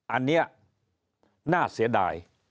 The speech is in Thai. อันนี้น่าเสียดาย